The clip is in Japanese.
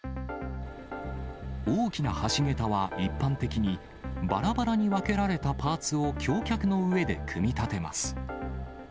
大きな橋桁は一般的に、ばらばらに分けられたパーツを橋脚の上で組み立てます。